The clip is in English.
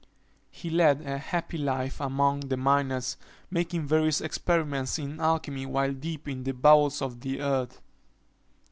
He led a happy life among the miners, making various experiments in alchymy while deep in the bowels of the earth.